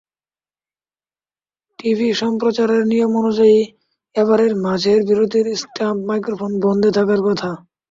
TV সম্প্রচারের নিয়ম অনুযায়ী, ওভারের মাঝের বিরতিতে স্টাম্প মাইক্রোফোন বন্ধ থাকার কথা।